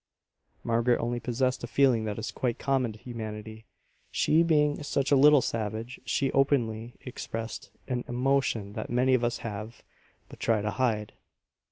Margaret only possessed a feeling that is quite common to humanity; she being such a little savage, she openly expressed an emotion that many of us have, but try to hide.